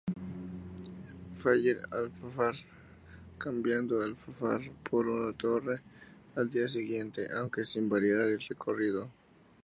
Faller-Alfafar", cambiando Alfafar por La Torre al día siguiente, aunque sin variar el recorrido.